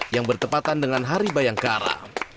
yang bertepatan dengan hari bayangkara